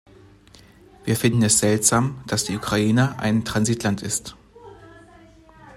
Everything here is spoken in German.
Wir finden es seltsam, dass die Ukraine ein Transitland ist.